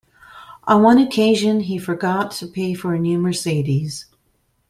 On one occasion he 'forgot' to pay for a new Mercedes.